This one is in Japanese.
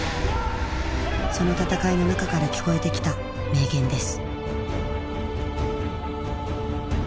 その戦いの中から聞こえてきた名言です。